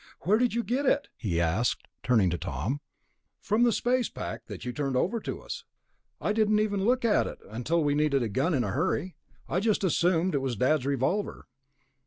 "Where did you get it?" he asked, turning to Tom. "From the space pack that you turned over to us. I didn't even look at it, until we needed a gun in a hurry. I just assumed it was Dad's revolver."